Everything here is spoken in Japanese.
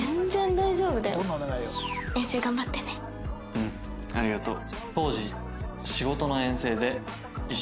うんありがとう。